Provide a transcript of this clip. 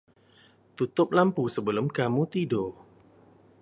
Tutup lampu sebelum kamu tidur.